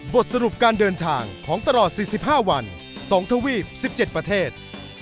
บทสรุปการเดินทางของตลอด๔๕วัน๒ทวีป๑๗ประเทศ